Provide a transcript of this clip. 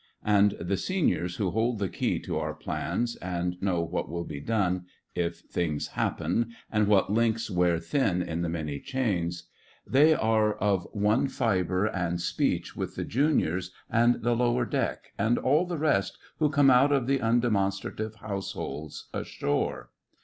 And the Seniors who hold the key to our plans and know what will be done THE FRINGES OF THE FLEET 121 if things happen, and what links wear thin in the many chains, they are of one fibre and speech with the Juniors and the lower deck and all the rest who come out of the un demonstrative households ashore.